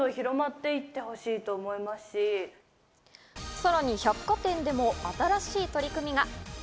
さらに百貨店でも新しい取り組みが。